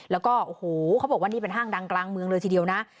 แล้วก็โอ้โหเขาบอกว่านี่เป็นห้างดังกลางเมืองเลยทีเดียวนะ